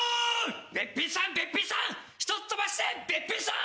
べっぴんさんべっぴんさん１つ飛ばしてべっぴんさん！